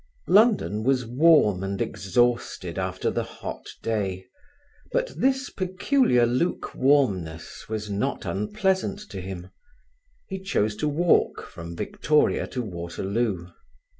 London was warm and exhausted after the hot day, but this peculiar lukewarmness was not unpleasant to him. He chose to walk from Victoria to Waterloo.